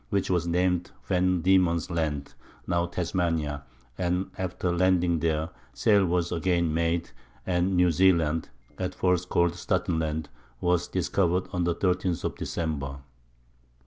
which was named Van Diemen's Land (now Tasmania), and, after landing there, sail was again made, and New Zealand (at first called Staatenland) was discovered on the 13th of December.